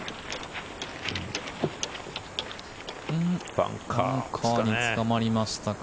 バンカーにつかまりましたか。